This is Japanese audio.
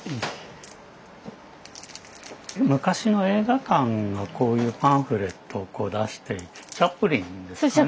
昔の映画館がこういうパンフレットを出していてチャップリンですかね？